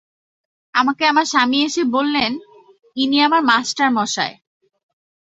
আমাকে আমার স্বামী এসে বললেন, ইনি আমার মাস্টারমশায়।